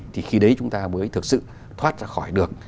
thì khi đấy chúng ta mới thực sự thoát ra khỏi được